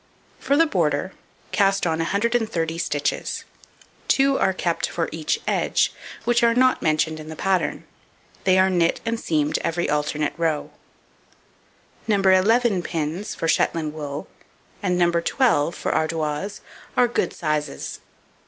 For the border, cast on 130 stitches; 2 are kept for each edge, which are not mentioned in the pattern; they are knit and seamed every alternate row. No. 11 pins for Shetland wool, and No. 12 for Ardoise, are good sizes.